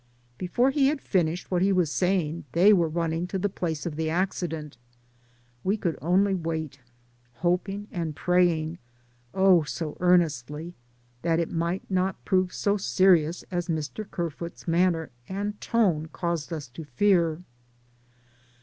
Before he had finished what he was saying they were running to the place of the acci dent. We could only wait, hoping and pray ing, oh, so earnestly, that it might not prove so serious as Mr. Ker foot's manner and tone caused us to fear.